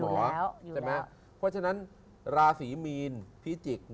อยู่แล้วอยู่แล้วใช่ไหมเพราะฉะนั้นราศรีมีนพิจิก